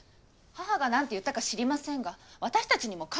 母が何て言ったか知りませんが私たちにも考えが。